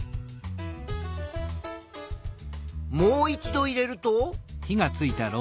もう一度入れると。